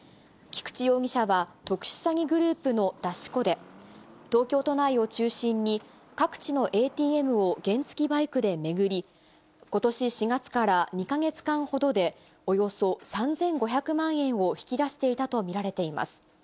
菊地容疑者は特殊詐欺グループの出し子で、東京都内を中心に、各地のＡＴＭを原付きバイクで巡り、ことし４月から２か月間ほどで、およそ３５００万円を引き出していたと見られています。